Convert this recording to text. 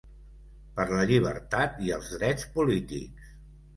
Per la llibertat i els drets polítics!